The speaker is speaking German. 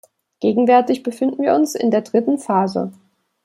Gegenwärtig befinden wir uns in der dritten Phase.